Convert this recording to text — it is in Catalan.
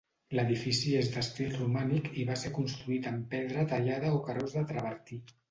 L'edifici és d'estil romànic i va ser construït amb pedra tallada o carreus de travertí.